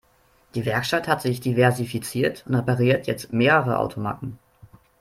Die Werkstatt hat sich diversifiziert und repariert jetzt mehrere Automarken.